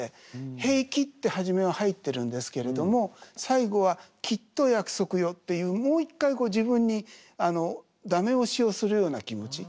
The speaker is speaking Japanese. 「平気」って初めは入ってるんですけれども最後は「きっと約束よ」っていうもう一回自分に駄目押しをするような気持ち。